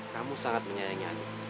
kamu sangat menyayangi ayah